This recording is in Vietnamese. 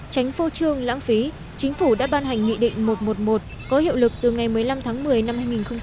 tránh phô trương lãng phí chính phủ đã ban hành nghị định một trăm một mươi một có hiệu lực từ ngày một mươi năm tháng một mươi năm hai nghìn một mươi chín